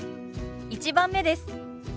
１番目です。